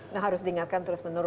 nah harus diingatkan terus menerus